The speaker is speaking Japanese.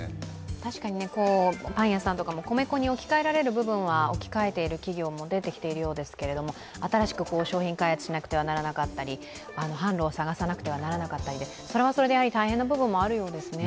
確かにパン屋さんとかも米粉に置き換える部分は置き換えている企業も出てきているようですけど、新しく商品開発しなくてはならなかったり、販路を探さなくてはならなかったり、それはそれで大変な部分もあるようですね。